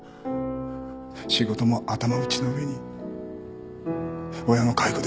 仕事も頭打ちな上に親の介護で時間もない。